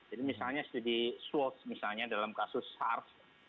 jadi misalnya studi swartz misalnya dalam kasus sars